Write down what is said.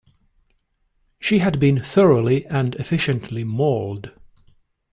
She had been thoroughly and efficiently mauled.